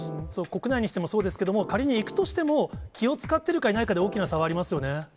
国内にしてもそうですけども、仮に行くとしても、気を遣っているかいないかで大きな差はありますよね。